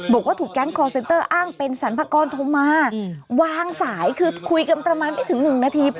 บอกว่าถูกแก๊งคอร์เซ็นเตอร์อ้างเป็นสรรพากรโทรมาวางสายคือคุยกันประมาณไม่ถึงหนึ่งนาที